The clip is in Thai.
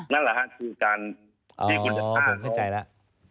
นั่นแหละค่ะคือการที่คุณจะท่า